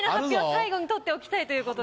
最後に取っておきたいということで。